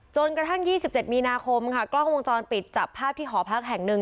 จนกระทั่ง๒๗มีนาคมค่ะกล้องวงจรปิดจับภาพที่หอพักแห่งหนึ่ง